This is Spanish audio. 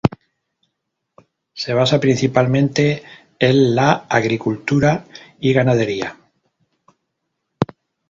Se basa principalmente el la agricultura y ganadería.